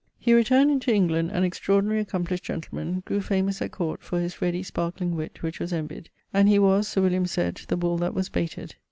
He returned into England an extraordinary accomplished gentleman, grew famous at court for his readie sparkling witt which was envyed, and he was (Sir William sayd) the bull that was bayted.